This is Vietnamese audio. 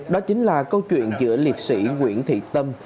đó chính là câu chuyện giữa liệt sĩ nguyễn thị tâm